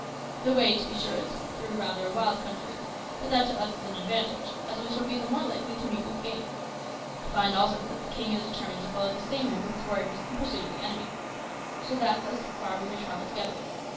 The way, to be sure, is through rather a wild country; but that to us is an advantage, as we shall be the more likely to meet with game. I find, also, that the king has determined to follow the same route with his warriors in pursuit of the enemy, so that thus far we may travel together.